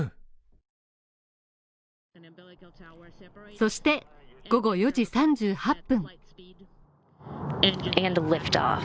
そして午後４時３８分